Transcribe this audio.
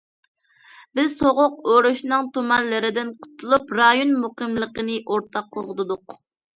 بىز سوغۇق ئۇرۇشنىڭ تۇمانلىرىدىن قۇتۇلۇپ، رايون مۇقىملىقىنى ئورتاق قوغدىدۇق.